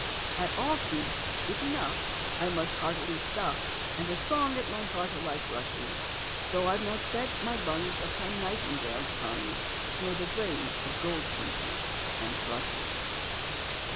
At all feasts (if enough) I most heartily stuff, And a song at my heart alike rushes, Though I've not fed my lungs Upon nightingales' tongues, Nor the brains of goldfinches and thrushes."